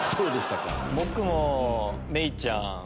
僕も芽郁ちゃん。